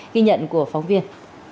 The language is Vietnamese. ghi nhận của phóng viên